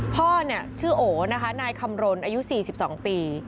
พ่อชื่อโอ๋นายคำรณอายุ๔๒ปี